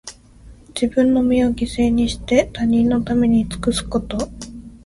自分の身を犠牲にして、他人のために尽くすこと。